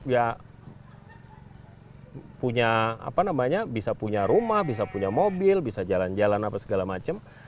ya punya apa namanya bisa punya rumah bisa punya mobil bisa jalan jalan apa segala macam